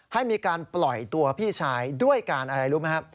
ให้มีการปล่อยตัวพี่ชายด้วยการอะไรรู้ไหมครับ